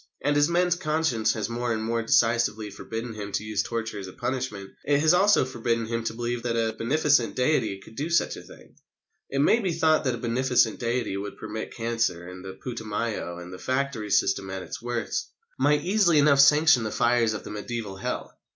And as man's conscience has more and more decisively forbidden him to use torture as a punishment, it has also forbidden him to believe that a beneficent Deity could do such a thing. It may be thought that a beneficent Deity who could permit cancer and the Putumayo and the factory system at its worst, might easily enough sanction the fires of the mediæval Hell.